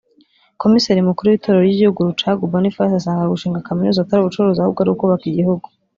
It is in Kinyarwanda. Komiseri mukuru w’itorero ry’igihugu Rucagu Boniface asanga gushinga kaminuza atari ubucuruzi ahubwo ari ukubaka igihugu